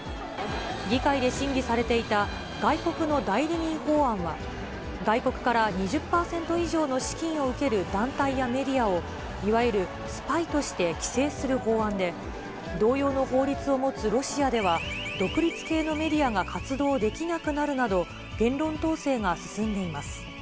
議会で審議されていた外国の代理人法案は、外国から２０％以上の資金を受ける団体やメディアをいわゆるスパイとして規制する法案で、同様の法律を持つロシアでは、独立系のメディアが活動できなくなるなど、言論統制が進んでいます。